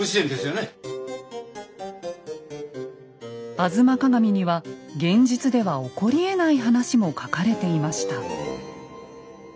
「吾妻鏡」には現実では起こりえない話も書かれていました。